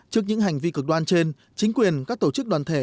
trước những hành vi cực đoan trên chính quyền các tổ chức đoàn thể